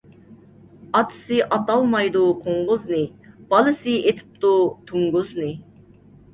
ئاتىسى ئاتالمايدۇ قوڭغۇزنى، بالىسى ئېتىپتۇ توڭگۇزنى.